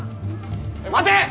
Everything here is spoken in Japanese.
待て！